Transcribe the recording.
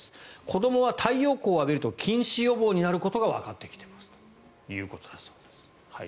子どもは太陽光を浴びると近視予防になることがわかってきていますということだそうです。